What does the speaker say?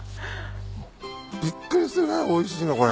びっくりするぐらいおいしいわこれ。